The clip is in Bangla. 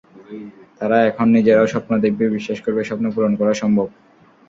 তারা এখন নিজেরাও স্বপ্ন দেখবে, বিশ্বাস করবে, স্বপ্ন পূরণ করা সম্ভব।